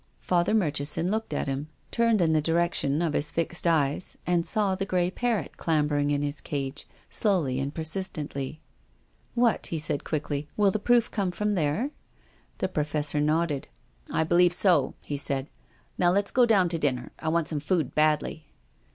Father Murchison looked at him, turned in the direction of his fixed eyes and saw the grey parrot clambering in its cage, slowly and per sistently. "What?" he said, quickly. "Will tlic proof come from there?" The Professor nodded. «5 306 TONGUES OF CONSCIENCE. " I believe so," he said. " Now let's go down to dinner. I want some food badly."